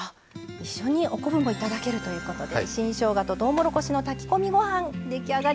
一緒にお昆布もいただけるということで新しょうがととうもろこしの炊き込みご飯出来上がりました。